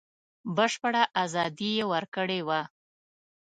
بشپړه ازادي یې ورکړې وه.